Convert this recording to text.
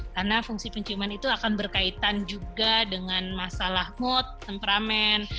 karena fungsi penciuman itu akan berkaitan juga dengan masalah mood temperamen